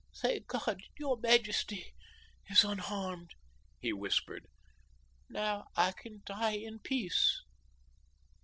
"Thank God, your majesty is unharmed," he whispered. "Now I can die in peace."